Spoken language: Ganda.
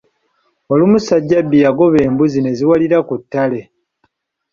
Olumu Ssajjabbi yagoba embuzi ne ziwalira ku ttale.